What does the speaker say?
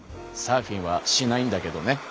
サーフィンはしないんだけどね。